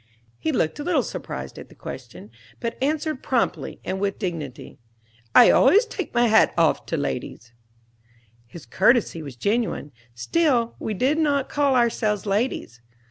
He looked a little surprised at the question, but answered promptly and with dignity, "I always take off my hat to ladies." His courtesy was genuine. Still, we did not call ourselves ladies.